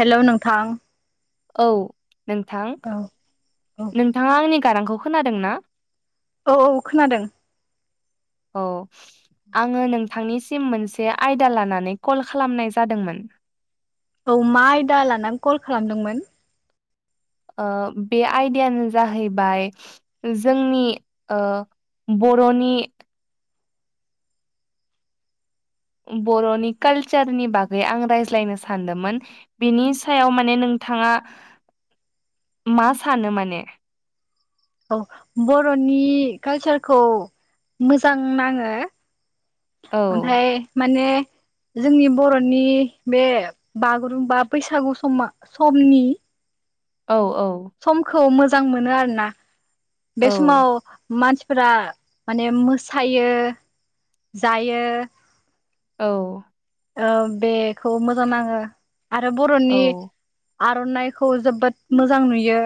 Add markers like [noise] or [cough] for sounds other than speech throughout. हेल' नोंथां औ नोंथां औ औ नोंथाङा आंनि गारांखौ खोनादों ना औ औ खोनादों औ आङो नोंथांनिसिम मोनसे आयदा लानानै कल खालामनाय जादोंमोन औ मा आयदा लानानै कल खालामदोंमोन ओ बे आयदायानो जाहैबाय जोंनि ओ बर'नि बर'नि कालचारनि बागै आं रायज्लायनो सानदोंमोन बिनि सायाव माने नों थाङा मा सानो माने औ बर'नि कालचारखौ मोजां नाङो औ ओमफाय माने [inaudible] जोंनि बर'नि बे बागुरुमबा बैसागु समा समनि औ औ समखौ मोजां मोनो आरोना बे औ समाव मानसि फोरा माने मोसायो जायो औ ओ बेखौ मोजां नाङो आरो बर'नि औ आर'नाइ खौ जोबोद मोजां नुयो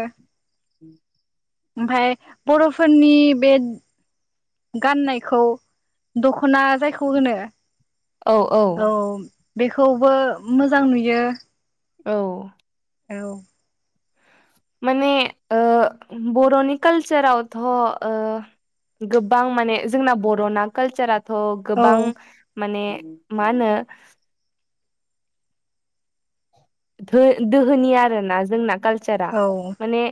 [inaudible] ओमफाय बर'फोरनि बे गाननायखौ दखना जायखौ होनो औ औ बेखौबो मोजां नुयो औ औ माने ओ बर'नि कालचरावथ' ओ गोबां माने जोंना बर'ना कालचारा थ' औ गोबां माने मा होनो दोहोनि आरो ना जोंना कालचारा औ माने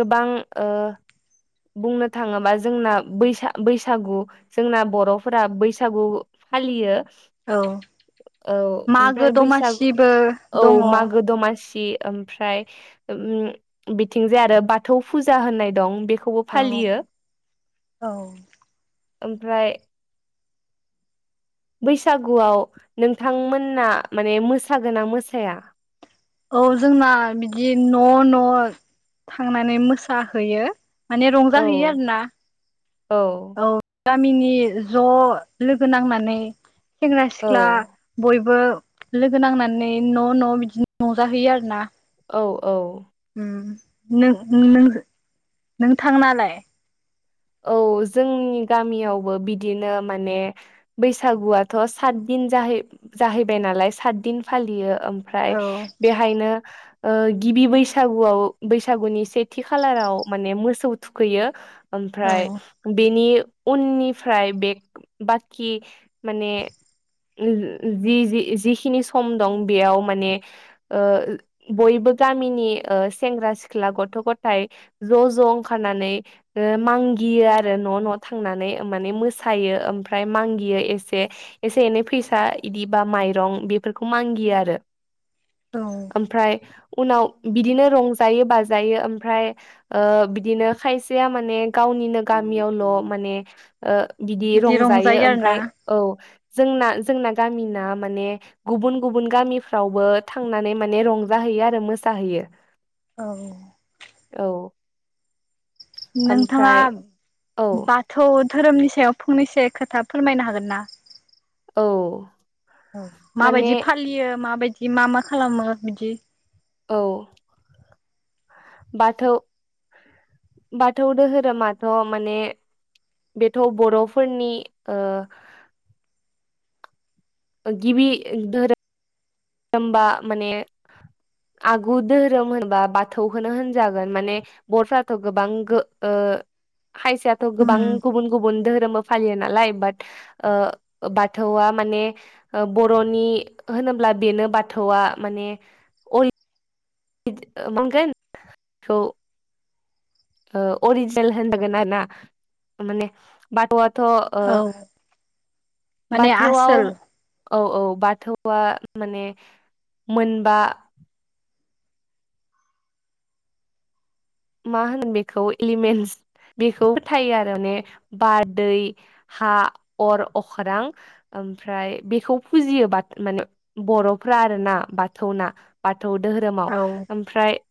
गोबां ओ बुंनो थाङोबा जोंना बैसागु जोंना बर'फोरा बैसागु फालियो औ औ मागो ओमफ्राय बैसागु दमासिबो औ मागो दमासि सि ओमफ्राय बिथिंजाय आरो बाथौ फुजा होननाय दं बे आं औग औ। ओमफ्राय। बैसागुआव नोंथांमोनना मानेमोसागोना मोसाया। औ जोंना बिदि न' न' थांनानै मोसाहैयो। माने औ रंजाहैयो आरो ना औ औ। गामिनि ज' लोगो नांनानै सेंग्रा औ सिख्ला बयबो। लोगो नांनानै न' न' बिदिनो रंजाहैयो आरो ना। औ औ। ओम नों नों नोंथांनालाय। औ जोंनि गामियावबो बिदिनो माने बैसागुआथ' सातदिन। जाहै-जाहैबाय नालाय सातदिन फालियो ओमफ्राय औ बेहायनो। ओ गिबि बैसागुआव बैसागुनि सेथि खालाराव माने मोसौ थुखैयो। ओमफ्राय बेनि। उननिफ्राय बेग बाखि माने। ओम जिस जि जिखिनि सम दं बेयाव माने बयबो। गामिनि सेंग्रा सिख्ला गथ' गथाइ ज' ज' ओंखारनानै। ओ मांगियो आरो न' न' थांनानै माने मोसायो ओमफ्राय मांगियो एसे। एसे एनै फैसा इदि बा माइरं बेफोरखौ मांगियो आरो। औ ओमफ्राय। उनाव बिदिनो रंजायो बाजायो ओमफ्राय बिदिनो ओ खायसे। सेया माने गावनिनो गामियावल' माने ओ पे। बिदि रंजायो ओमफ्राय औ जोंना जोंना। गामिना माने गुबुन गुबुन गामिफ्रावबो थांनानै माने रंजाहैयो आरो मोसाहैयो।। औ। औ नोंथाङा ओमफ्राय औ बाथौ धोरोमनि सो। सायाव फंनैसो खोथा फोरमायनो हागोन ना। औ औ माने माबायदि फालियो माबायद। बि मा मा खालामो बिदि। औ बाथौ। बाथौ दोहोरोमाथ' माने। बेथ' बर'फोरनिओ। गिबि धोरोम ओमबा माने। आगु दोहोरोम होनबा बाथौखौनो होनजागोन माने बर'फ्राथ' गोबां गो ओ। ओ ओ। खायसेआथ' उम गोबां गुबुन गुबुन दोहोरोमबो फालियो नालाय बाट ओ बाथौआ। माने ओ बर'नि होनोब्ला बेनो बाथौआ माने आय। इद ओ बुंगोन खौ। ओ अरिजिनल होनदोगोन आरो ना माने बात'आत। थ' ओ औ माने बाथौआव आसोल औ औ। बाथौआ माने मोनबा। मा होनो बेखौ एलिमेन्टस। बेखौबो फोथायो आरो माने बार दैै हा अर अख्रां। ओमफ्राय बेखौ फुजियो बाथ माने बर'फ्रा आरोना बाथौना बाद। बाथौ दोहोरोमाव औ ओमफ्राय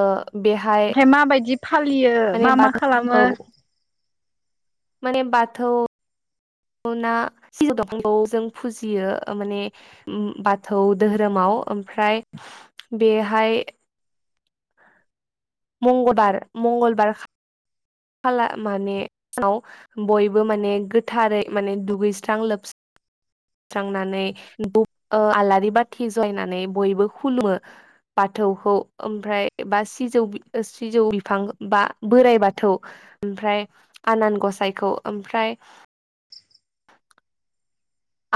ओ बेहाय ओमफ्राय माबायदि फालियो माने मा मा बाथौ खालामो औ माने बाथौ ना सिजौ दफांखौ जों फुजियो माने बाथौ दोहोरोमाव ओमफ ओमफ्राय बेहाय मंगबार मंगलबार खाला माने याव बयबो माने गोथारै माने दुगैस्रां लोबस्रां स्रांनानै [unintelligible] ओ आलारि बाथि जलायनानै बयबो खुलुमो बा बाथौखौ ओमफ्राय बा सिजौ सिजौ बिफां बा बोराइ बाथौ ओमफ्राय आनान गसाइखौ ओमफ्राय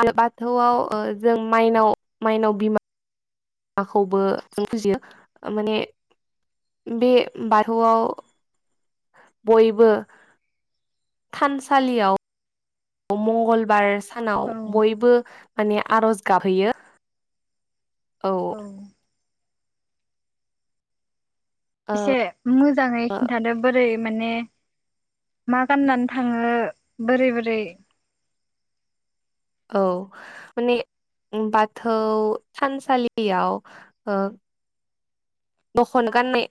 आरो बाथौआव जों माइनाव माइनाव बिमा माखौबो जों फुजियो माने बे बाथौआव बयबो थानसालियाव मंगलबार सानाव औ बयबो माने आरज गाबहैयो औ एसे मोजाङै खिन्थादो बोरै माने मा गाननानै थाङो बोरै बोरै [inaudible] औ माने बाथौ थानसालियाव दखना गाननाय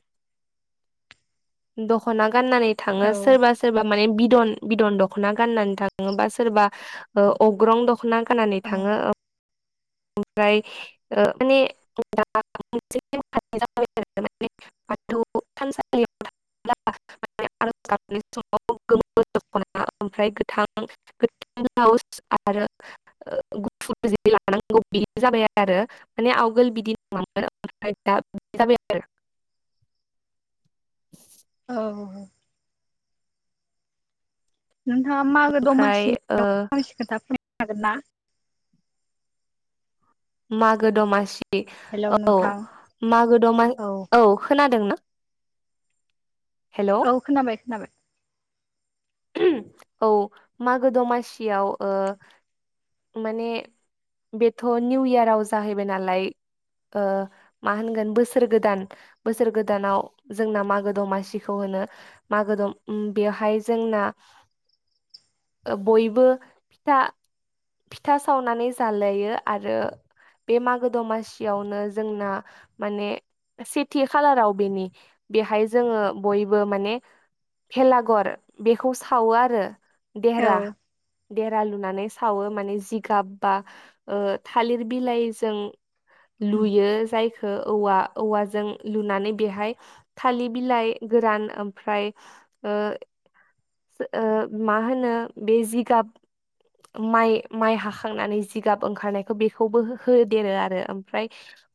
दखना गा गाननानै थाङो औ सोरबा सोरबा माने बिदन बिदन दख'ना गाननानै थाङो बा सोरबा अग्रं दख'ना गाननानै औ थाङो ओमफ्राय ओ माने [unintelligible] माने बाथौ थानसालियाव थाङोब्ला माने आरज गाबनाय समाव गोमो दखना ओमफ्राय गोथां गोथां ब्लाउस आरो गुफुर जि लानांगौ बिनो जाबाय आरो माने आवगोल बिदि नङामोन ओमफ्राय दा बिदि जाबाय आरो [inaudible] औ नोंथाङा मागो ओमफ्राय दमासि ओ [unintelligible] हागोन ना मागो दमासि हेलौ औ नोंथां मागो दमा औ खोनादों ना? औ खोनाबाय खोनाबाय औ मागो दमासियाव माने बेथ' निउ इयाराव जाहैबाय नालाय ओ मा होनगोन बोसोर गोदान बोसोर गोदानाव जोंना मागो दमासिखौ होन नो मागो दम बेवहाय जोंना ओ बयबो फिथा फिथा सावनानै जालायो आरो बे मागो दमासियावनो जोंना माने सेथि खालाराव बेनि बेहाय जोङो बयबो माने भेलागर बेखौ सावो आरो औ देहेरा देरा लुनानै सावो माने जिगाब बा ओ थालिर बिलाइजों लुयो जाय औवा औवाजों लुनानै बेहाय थालिर बिलाइ गोरान ओमफ्राय ओ ओ मा होनो बे जिगाब माइ माइ हाखांनानै जिगाब ओंखारनायखौ बेखौबो हो-होदेरो आरो ओमफ्राय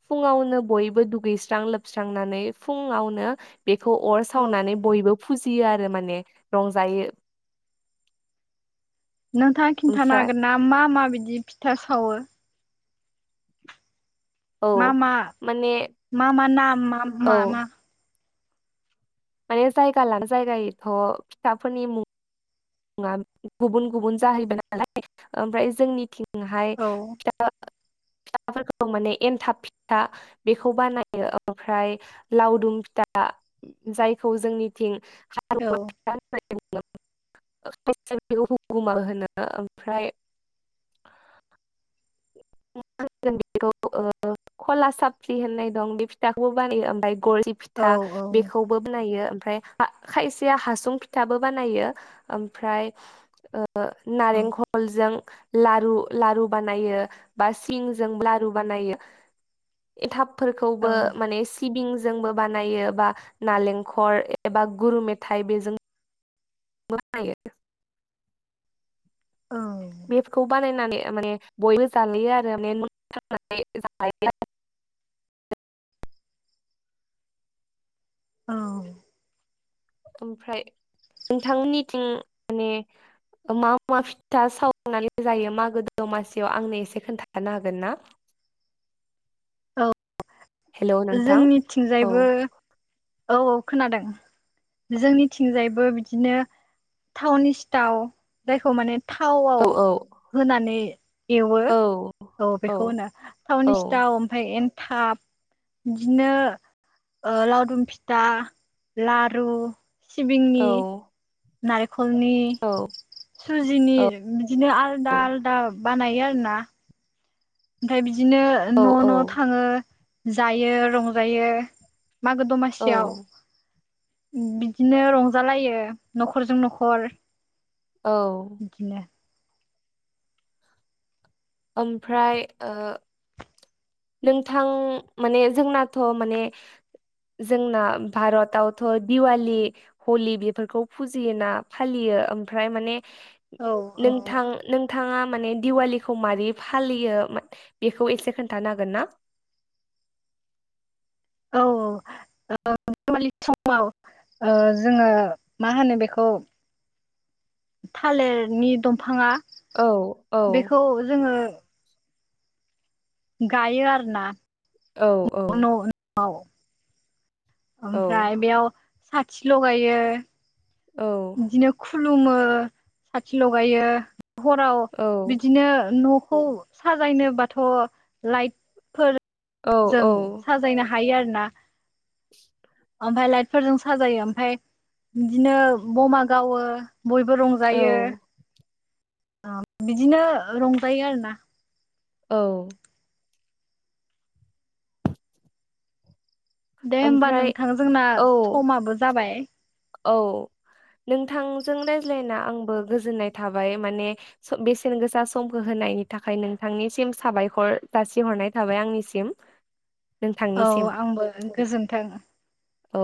फुङावनो बयबो दुगैस्रां लोबस्रांनानै फुङावनो बेखौ अर औ सावनानै बयबो फुजियो आरो माने रंजायो नोंथाङा खिन्थानो ओमफ्राय हागोन ना मा मा बिदि फिथा सावो? औ मामा माने मामा नाम मा औ मा मा माने जायगा लानो जायगायैथ' फिथाफोरनि मुं ङा गुबुन गुबुन जाहैबाय नालाय ओमफ्राय जोंनिथिं हाय औ फिथाफोरखौ माने एन्थाब फिथा बेखौ बानायो ओमफ्राय लावदुम फिथा जायखौ जोंनिथिं औ हालुवा फिथा होननानै हुगुमा होनो ओमफ्राय [inaudible] बेखौ खला साबि होननाय दं बे फिथाखौबो बानायो ओमफ्राय गरसि फिथा औ औ औ बेखौबो बनायो ओमफ्राय खायसेया हासुं फिथाबो बानायो ओमफ्राय नारेंखलजों लारु लारु बानायो बा सिंजों लारु बानायो औ एनथाबफोरखौबो माने सिबिं जोंबो बानायो बा नालेंखर एबा गुरु मेथाइ बेजों [unintelligible] अ बेफोरखौ बानायनानै माने बयबो जालोयो आरो माने ननानै जायो आरो [inaudible] औ ओमफ्राय नोंथांनिथिं माने मा मा फिथा सावनानै जायो मागो दमासियाव आंनो एसे खोन्थानो हागोन ना [inaudible] औ हेलौ नोंथां औ जोंनिथिंजायबो औ औ खोनादों जोंनिथिंजायबो बिदिनो टावनि सिथाव जायखौ माने औ थावआव होनानै एवो औ बेखौ होनो औ थावनि सिटाव ओमफ्राय एनथाब बिदिनो लावदुम फि था लारु नारेंखलनि औ खलनि सुजिनि बिदिनो आलदा आलादा बानायो आरो ना ओमफ्राय बिदिनो औ न' न' थाङो जायो रंजायो मागो औ दमासियाव बिदिनो रंजालायो न'खरजों न'खर बिदिनो औ ओमफ्राय नोंथां माने जोंनाथ' माने जोंना भारतआवथ' दिवालि हलि बेफोरखौ फुजियोना फालियो ओमफ्राय माने औ औ नोंथां नोंथाङा माने दिवालिखौ माबै फालियो बेसे खोन्थानो हागोन ना औ औ औ दिवालि समाव जोङो मा होनो बेखौ थालिरनि दंफाङा औ औ बेखौ जोङो गायो आरो ना औ औ औ औ ओमफ्राय बेयाव साथि लगायो औ बिदिनो खुलुमो साथि लगायो हराव औ बिदिनो न' खौ साजायनोबाथ' लाइट फोर औ जों साजायनो ह हायो आरो ना [inaudible] ओमफ्राय लाइटफोरजों साजायो ओमफ्राय बिदिनो बमा गावो बयबो रंजायो औ ओ बिदिनो रंजायो आरोना औ दे होमबा ओमफ्राय नोंथां जोंना औ समाबो जाबाय औ नोंथांजों रायज्लायना आंबो गोजोननाय थाबाय माने बेसेन गोसा समखौ होनो नायनि थाखाय नोंथांनिसिम साबायखर जासिहरनाय थाबाय आंनिसिम औ नोंथांनिसिम आंबो गोजोन्थों औ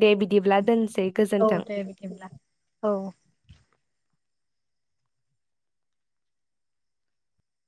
दे बिदिब्ला दोनसै औ गोजोन्थों। दे बिदि होनब्ला औ